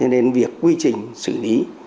nên việc quy trình xử lý